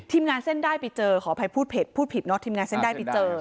ทีมงานเส้นได้ไปเจอขออภัยพูดสภิกษ์พูดผิดทีมงานเส้นได้ไปเจอ